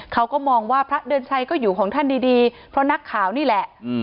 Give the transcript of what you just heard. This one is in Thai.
เขาก็มองว่าพระเดือนชัยก็อยู่ของท่านดีเพราะนักข่าวนี่แหละ